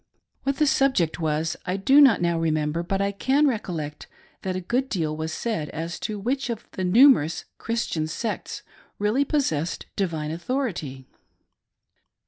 What the subject was I do not now remem ' ber, but I can rejcollect that a good deal was said as to which of all the numerous Christian sects really possessed divine authority.